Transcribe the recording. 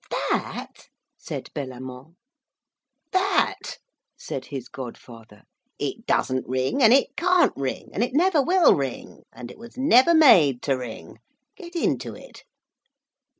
'That?' said Bellamant. 'That,' said his god father. 'It doesn't ring, and it can't ring, and it never will ring, and it was never made to ring. Get into it.'